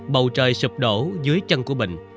bầu trời sụp đổ dưới chân của bình